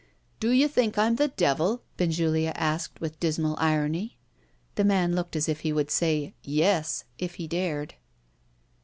"Do you think I'm the Devil?" Benjulia asked with dismal irony. The man looked as if he would say "Yes," if he dared.